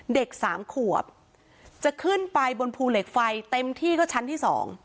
เด็กสามขวบจะขึ้นไปบนภูเหล็กไฟเต็มที่ก็ชั้นที่๒